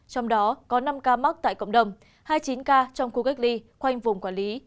trong đó có năm ca mắc tại cộng đồng hai mươi chín ca trong khu cách ly khoanh vùng quản lý